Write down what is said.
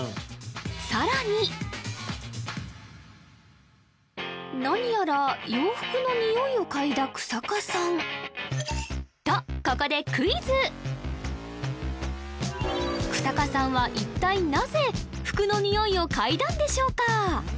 さらに何やら洋服のにおいを嗅いだ日下さんとここでクイズ日下さんは一体なぜ服のにおいを嗅いだんでしょうか？